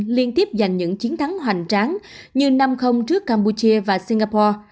liên tiếp giành những chiến thắng hoành tráng như năm trước campuchia và singapore